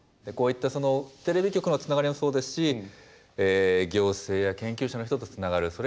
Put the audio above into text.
こういったそのテレビ局のつながりもそうですし行政や研究者の人とつながる。